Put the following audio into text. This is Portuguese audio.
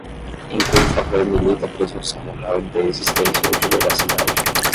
em cujo favor milita presunção legal de existência ou de veracidade